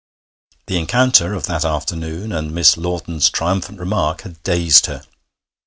The encounter of that afternoon, and Miss Lawton's triumphant remark, had dazed her.